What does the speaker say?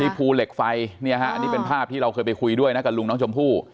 พี่พูเหล็กไฟนี่เป็นภาพที่เราเคยไปคุยด้วยนะกับลุงน้องชมพู่